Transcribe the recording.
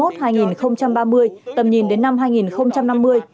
thời kỳ hai nghìn hai mươi một hai nghìn ba mươi tầm nhìn đến năm hai nghìn năm mươi